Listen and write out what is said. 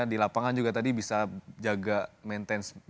di lapangan juga tadi bisa jaga maintenance